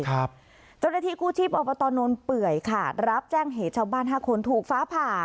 เจ้าหน้าที่กู้ชีพอบตนนเปื่อยค่ะรับแจ้งเหตุชาวบ้าน๕คนถูกฟ้าผ่า